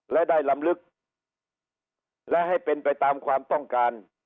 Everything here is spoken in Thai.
และได้ลำลึกและให้เป็นไปตามความต้องการ